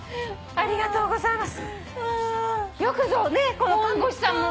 ありがとうございます。